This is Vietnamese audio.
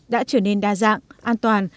đã trở nên đa dạng an toàn